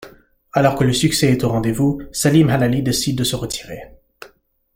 Alors que le succès est au rendez vous, Salim Halali décide de se retirer.